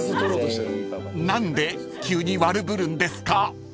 ［何で急に悪ぶるんですか？］